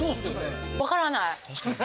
分からない。